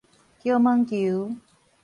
茄毛球